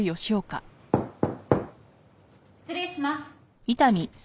失礼します。